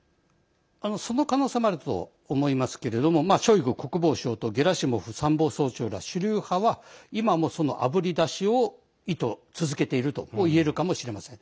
その可能性もあると思いますがショイグ国防相とゲラシモフ参謀総長ら主流派は今もそのあぶり出しの意図を続けているといえるかもしれません。